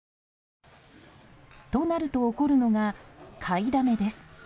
となると起こるのが買いだめです。